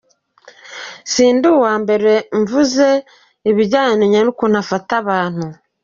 "Sindi uwa mbere mvuze ibijanye n'ukuntu afata abantu.